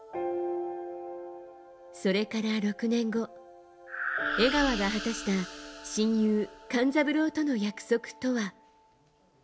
それから６年後、江川が果たした親友・勘三郎との約束とは。